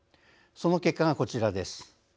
その結果が、こちらです。